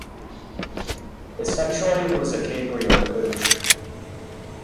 Essentially it was a cabrio coach.